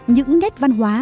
những nét văn hóa